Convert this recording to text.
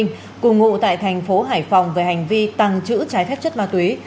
nguyễn vũ quang minh cùng ngụ tại thành phố hải phòng về hành vi tăng chữ trái phép chất ma túy